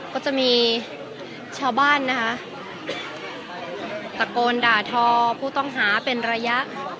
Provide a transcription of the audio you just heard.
ก็จะมีชาวบ้านนะคะตะโกนด่าทอผู้ต้องหาเป็นระยะ